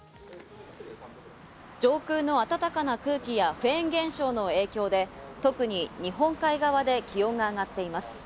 上空の暖かな空気やフェーン現象の影響で、特に日本海側で気温が上がっています。